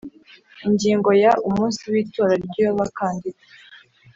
Ingingo ya Umunsi w itora ry Abakandida